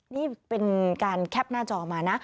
นี่เป็นการแคปหน้าจอมานะ